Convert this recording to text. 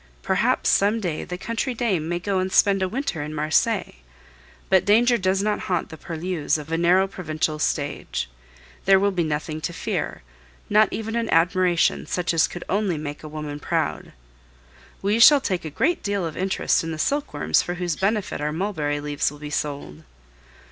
Perhaps some day the country dame may go and spend a winter in Marseilles; but danger does not haunt the purlieus of a narrow provincial stage. There will be nothing to fear, not even an admiration such as could only make a woman proud. We shall take a great deal of interest in the silkworms for whose benefit our mulberry leaves will be sold!